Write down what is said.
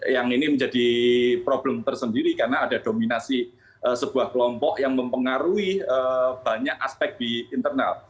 yang ini menjadi problem tersendiri karena ada dominasi sebuah kelompok yang mempengaruhi banyak aspek di internal